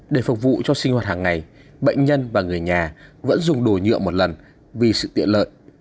để phục vụ cho sinh hoạt hàng ngày bệnh nhân và người nhà vẫn dùng đồ nhựa một lần vì sự tiện lợi